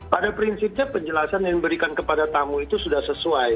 pada prinsipnya penjelasan yang diberikan kepada tamu itu sudah sesuai